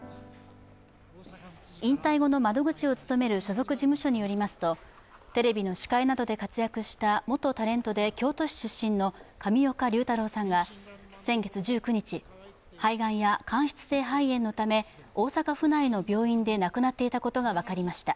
引退後の窓口を務める所属事務所によりますと、テレビの司会などで活躍した元タレントで京都市出身の上岡龍太郎さんが先月１９日、肺がんや間質性肺炎のため大阪府内の病院で亡くなっていたことが分かりました。